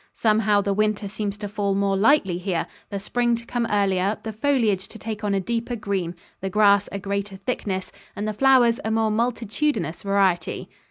Somehow the winter seems to fall more lightly here, the spring to come earlier, the foliage to take on a deeper green, the grass a greater thickness, and the flowers a more multitudinous variety."